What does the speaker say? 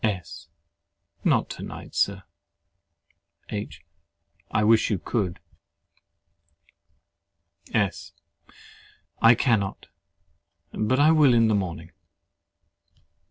S. Not to night, Sir. H. I wish you could. S. I cannot—but I will in the morning.